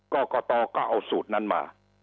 กรกตก็เอาสูตรนั้นมา